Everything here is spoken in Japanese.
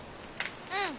うん。